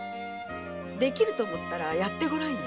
できると思ったらやってごらんよ。